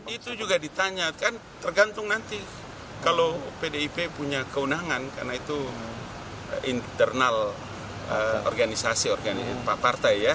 itu juga ditanyakan tergantung nanti kalau pdip punya keunangan karena itu internal organisasi organisasi partai ya